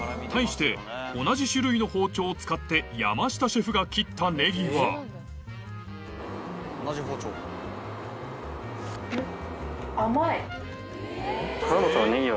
対して同じ種類の包丁を使って山下シェフが切ったネギはそんなに。